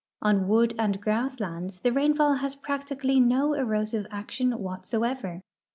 On wood and grass lands the rainfall has prac tically no erosive action whatever.